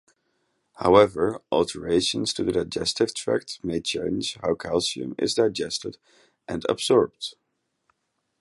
However, alterations to the digestive tract may change how calcium is digested and absorbed.